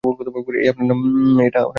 এটা আপনার নাম না আপনার কুকুরের?